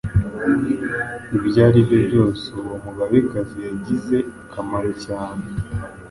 Ibyo ari byo byose, uwo Mugabekazi yagize akamaro cyane,